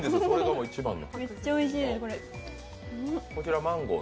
めっちゃおいしいです。